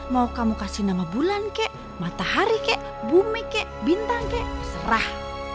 mau kamu kasih nama bulan kek matahari kek bumi kek bintang kek serah